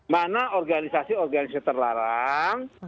mana organisasi organisasi terlarang